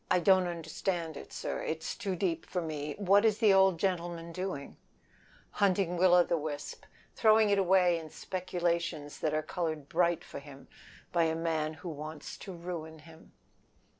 "Don't understand it, it is too deep for me. What is the old gentleman doing?" "Hunting Will o' the wisp. Throwing it away in speculations that are colored bright for him by a man that wants to ruin him."